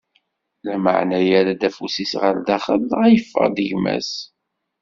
Lameɛna yerra afus-is ɣer daxel, dɣa yeffeɣ-d gma-s.